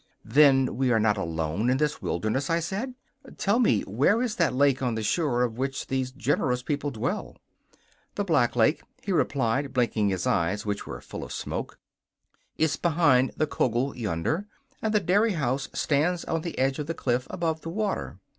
'Then we are not alone in this wilderness,' I said. 'Tell me where is that lake on the shore of which these generous people dwell?' 'The Black Lake,' he replied, blinking his eyes, which were full of smoke, 'is behind that Kogel yonder, and the dairy house stands on the edge of the cliff above the water.